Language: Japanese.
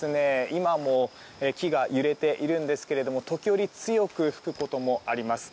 今も木が揺れているんですが時折強く吹くこともあります。